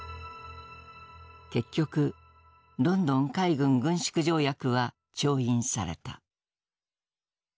結局ロンドン海軍軍縮条約は調印された。